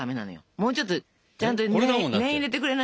もうちょっとちゃんと念入れてくれないと。